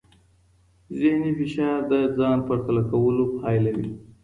ذهني فشار د ځان پرتله کولو پایله وي.